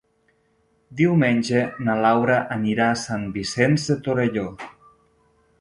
Diumenge na Laura anirà a Sant Vicenç de Torelló.